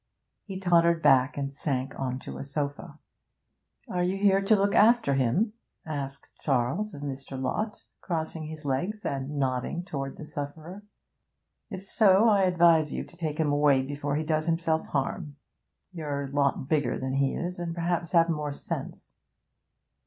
He tottered back and sank on to a sofa. 'Are you here to look after him?' asked Charles of Mr. Lott, crossing his legs and nodding towards the sufferer. 'If so, I advise you to take him away before he does himself harm. You're a lot bigger than he is and perhaps have more sense.'